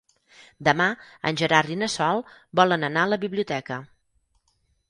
Demà en Gerard i na Sol volen anar a la biblioteca.